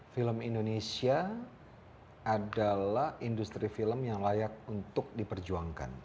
film indonesia adalah industri film yang layak untuk diperjuangkan